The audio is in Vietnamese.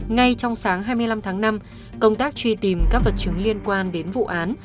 ngay trong sáng hai mươi năm tháng năm công tác truy tìm các vật chứng liên quan đến vụ án